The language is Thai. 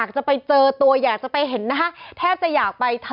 จะไปเจอตัวอยากจะไป